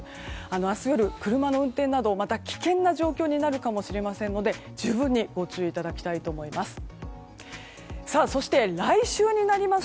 明日夜、車の運転などはまた危険な状況になるかもしれませんので十分にご注意いただきたいと思います。